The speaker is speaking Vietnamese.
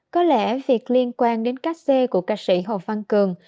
có lẽ việc liên quan đến các c của ca sĩ hồ văn cường